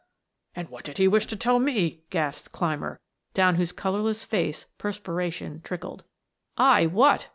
"And what did he wish to tell me?" gasped Clymer, down whose colorless face perspiration trickled. "Aye, what?"